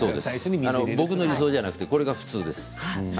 僕の理想ではなくてこれが普通です。